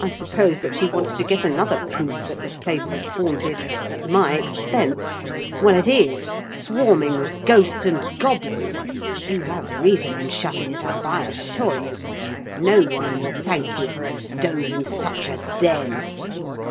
I suppose that she wanted to get another proof that the place was haunted, at my expense. Well, it is—swarming with ghosts and goblins! You have reason in shutting it up, I assure you. No one will thank you for a doze in such a den!"